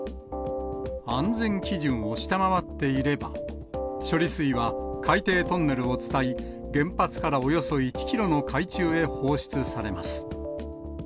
安全基準を下回っていれば、処理水は海底トンネルを伝い、原発からおよそ１キロの海中へ放出されます。